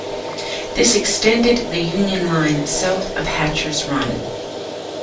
This extended the Union line south of Hatcher's Run.